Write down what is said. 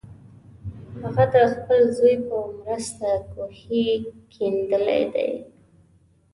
هغه د خپل زوی په مرسته کوهی کیندلی دی.